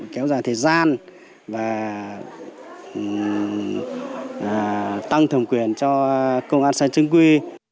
kéo dài thời gian và tăng thẩm quyền cho công an xã trưng quy